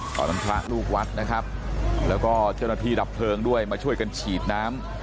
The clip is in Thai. พระลูกวัดนะครับแล้วก็เจ้าหน้าที่ดับเพลิงด้วยมาช่วยกันฉีดน้ำ